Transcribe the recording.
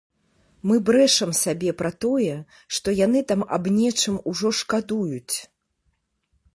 Мы брэшам сабе пра тое, што яны там аб нечым ужо шкадуюць.